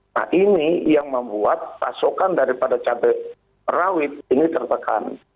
nah ini yang membuat pasokan daripada cabai rawit ini tertekan